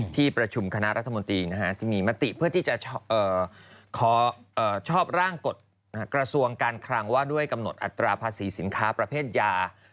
ที่ประชุมคณะรัฐมนตรีที่มีมติเพื่อที่จะขอชอบร่างกฎกระทรวงการคลังว่าด้วยกำหนดอัตราภาษีสินค้าประเภทยา